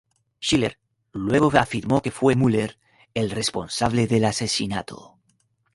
Schiller luego afirmó que fue Müller el responsable del asesinato.